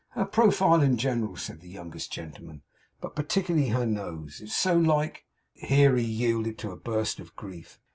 'Her profile, in general,' said the youngest gentleman, 'but particularly her nose. It's so like;' here he yielded to a burst of grief.